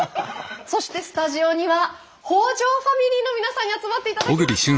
そしてスタジオには北条ファミリーの皆さんに集まっていただきました。